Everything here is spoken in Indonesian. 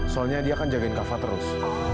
soalnya dia akan jagain kava terus